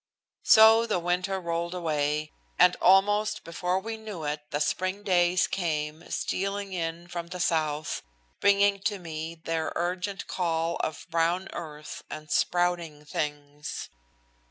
So the winter rolled away, and almost before we knew it the spring days came stealing in from the South, bringing to me their urgent call of brown earth and sprouting things.